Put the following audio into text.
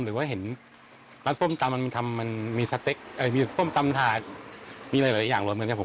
หรือว่าเห็นร้านส้มตำมันมีสเต็กมีส้มตำถาดมีหลายอย่างรวมเหมือนกับผม